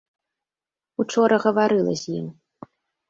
Учора гаварыла з ім.